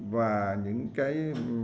và những cái